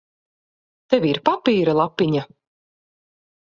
Tev ir papīra lapiņa?